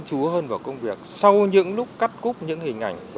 của gần hai trăm linh tác giả